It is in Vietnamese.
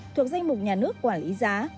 thuộc danh mục nhà nước quản lý giá